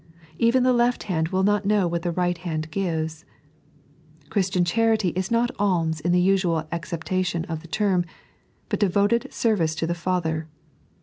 Even the left hand will not know what the right hand gives. Christian charity is not alms in the usual acceptation of the term, but devoted service to the Father.